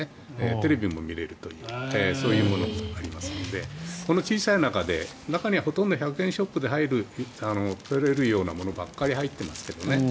テレビも見れるというそういうものがありますのでこの小さい中で、中にはほとんど１００円ショップで買えるようなものばかり入ってますけどね。